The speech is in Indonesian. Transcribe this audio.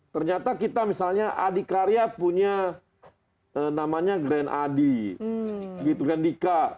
ternyata kita misalnya adikarya punya namanya grand adi gitu grand dika